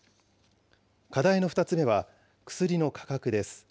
課題の２つ目は、薬の価格です。